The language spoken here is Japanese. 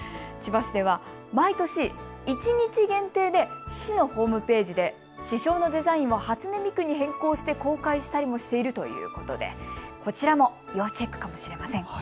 千葉市では毎年１日限定で市のホームページで市章のデザインを初音ミクに変更して公開したりもしているということでこちらも要チェックかもしれません。